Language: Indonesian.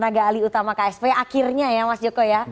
tenaga alih utama ksp akhirnya ya mas joko ya